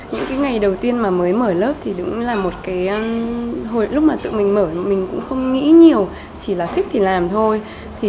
những ngày đầu tiên mới mở lớp lúc mà tự mình mở mình cũng không nghĩ nhiều chỉ là thích thì làm thôi